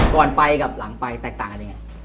ก่อนไปกับหลังไปแตกต่างกันอย่างไร